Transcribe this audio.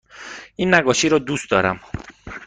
این نقاشی را دوست دارم.